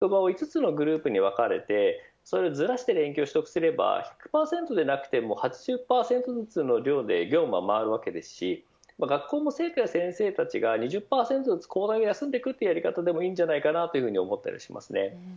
職場を５つのグループに分けてそれをずらして連休を取得すれば１００％でなくても８０％ずつの量で業務は回るわけですし学校の生徒や先生が２０％ずつ交代で休んでいくというやり方でもいいんじゃないかと思ったりします。